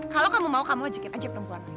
kalau kamu mau kamu ajakin aja perempuan lain